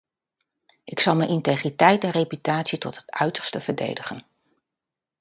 Ik zal mijn integriteit en reputatie tot het uiterste verdedigen.